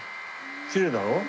きれいだろ？